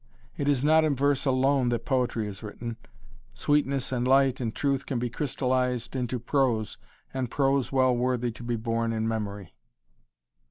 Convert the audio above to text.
It is not in verse alone that poetry is written. Sweetness and light and truth can be crystallized into prose, and prose well worthy to be borne in memory.